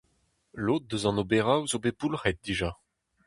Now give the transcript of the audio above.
Lod eus an oberoù zo bet boulc'het dija.